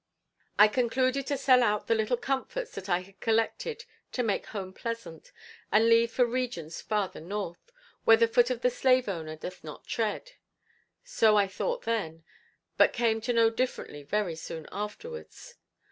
I concluded to sell out the little comforts that I had collected to make home pleasant, and leave for regions farther North, where the foot of the slave owner doth not tread. So I thought then, but came to know differently very soon afterwards.